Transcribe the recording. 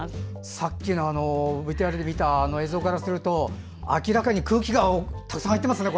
さっきのＶＴＲの映像と比べてみると明らかに空気がたくさん入ってますね。